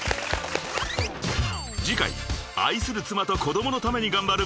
［次回愛する妻と子供のために頑張る］